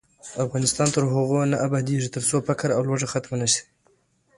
افغانستان تر هغو نه ابادیږي، ترڅو فقر او لوږه ختمه نشي.